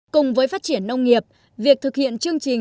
cùng với phát triển nông nghiệp việc thực hiện chương trình